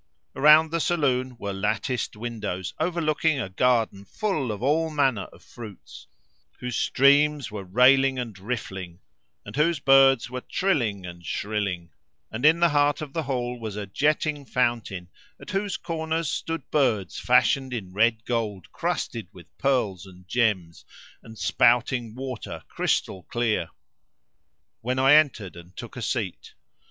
Around the saloon were latticed windows overlooking a garden full of all manner of fruits; whose streams were railing and rilling and whose birds were trilling and shrilling; and in the heart of the hall was a jetting fountain at whose corners stood birds fashioned in red gold crusted with pearls and gems and spouting water crystal clear. When I entered and took a seat.